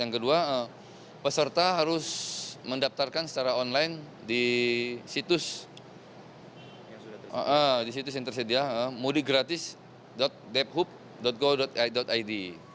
yang kedua peserta harus mendaftarkan secara online di situs yang tersedia mudikgratis debhub go id